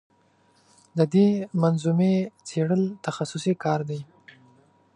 د دې منظومې څېړل تخصصي کار دی.